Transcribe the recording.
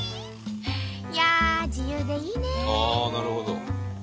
いやあ自由でいいね！